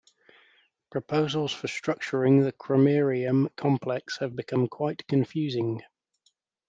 Proposals for structuring the Cromerium complex have become quite confusing.